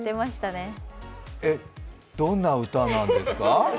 えっ、どんな歌なんですか？